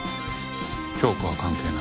響子は関係ない。